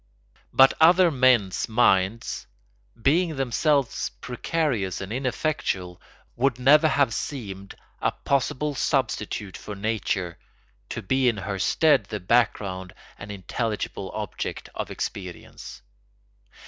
But other men's minds, being themselves precarious and ineffectual, would never have seemed a possible substitute for nature, to be in her stead the background and intelligible object of experience.